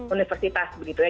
universitas begitu ya